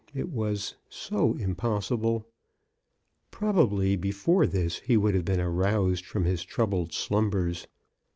it was so impossible ! Prob ably before this he would have been aroused from his troubled slumbers.